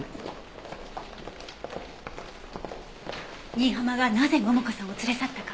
新浜がなぜ桃香さんを連れ去ったか。